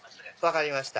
分かりました。